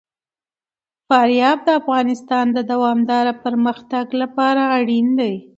فاریاب د افغانستان د دوامداره پرمختګ لپاره اړین دي.